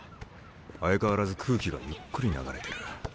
相変わらず空気がゆっくり流れてる。